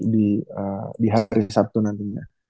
di hari sabtu nantinya